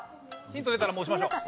ヒント出たらもう押しましょう。